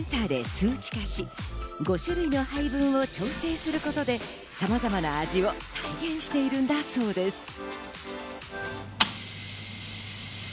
料理の味をセンサーで数値化し、５種類の配分を調整することで、さまざまな味を再現しているんだそうです。